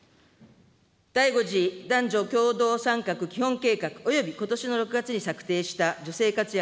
第５次男女共同参画基本計画およびことしの６月に策定した女性活躍